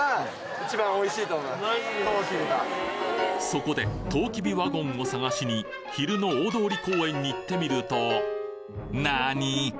そこでとうきびワゴンを探しに昼の大通公園に行ってみるとなに？